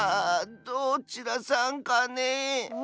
どちらさんかねえ？